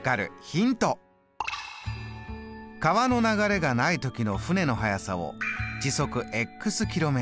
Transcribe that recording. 川の流れがない時の舟の速さを時速ｋｍ。